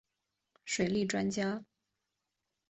水利专家。